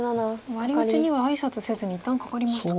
ワリ打ちには挨拶せずに一旦カカりましたか。